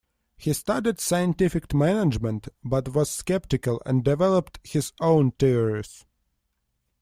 He studied scientific management, but was sceptical and developed his own theories.